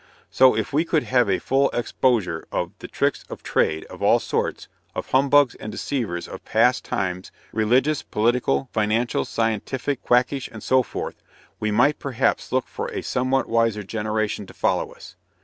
So, if we could have a full exposure of "the tricks of trade" of all sorts, of humbugs and deceivers of past times, religious, political, financial, scientific, quackish and so forth, we might perhaps look for a somewhat wiser generation to follow us.